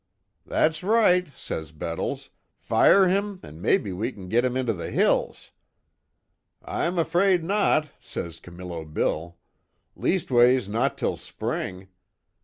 'That's right,' says Bettles, 'fire him, an' maybe we kin git him into the hills.' 'I'm 'fraid not,' says Camillo Bill. 'Leastways not till spring.